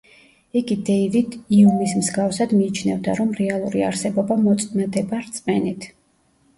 იგი დეივიდ იუმის მსგავსად მიიჩნევდა, რომ რეალური არსებობა მოწმდება რწმენით.